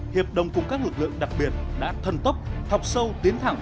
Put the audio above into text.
hiệp đồng cùng các lực lượng đặc biệt đã thân tốc thọc sâu tiến thẳng